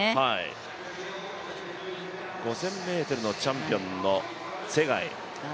５０００ｍのチャンピオンのツェガイ